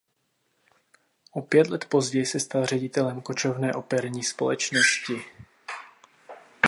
O pět let později se stal ředitelem kočovné operní společnosti.